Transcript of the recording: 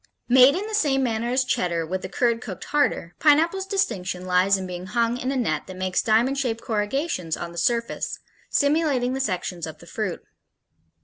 Made in the same manner as Cheddar with the curd cooked harder, Pineapple's distinction lies in being hung in a net that makes diamond shaped corrugations on the surface, simulating the sections of the fruit.